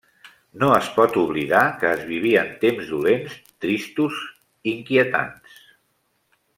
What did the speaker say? No es pot oblidar que es vivien temps dolents, tristos, inquietants.